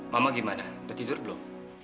mama gimana udah tidur belum